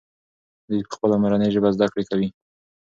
دوی په خپله مورنۍ ژبه زده کړه کوي.